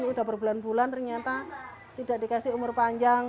sudah berbulan bulan ternyata tidak dikasih umur panjang